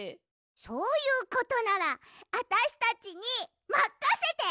そういうことならあたしたちにまかせて！